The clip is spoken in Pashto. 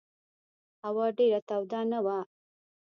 هوا ډېره توده نه وه.